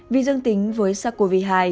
vì dương tính với sars cov hai